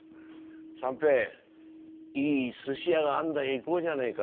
三平いい寿司屋があんだよ行こうじゃねえか。